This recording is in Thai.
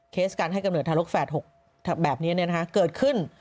เคสการให้กำเนินทารกแฟด๖แบบนี้เนี่ยนะคะเกิดขึ้น